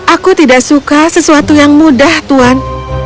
aku tidak suka sesuatu yang mudah tuhan